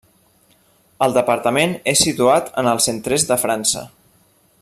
El departament és situat en el centre-est de França.